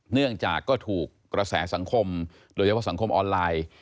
เนื่องจากก็ถูกกระแสสังคมโดยเฉพาะสังคมออนไลน์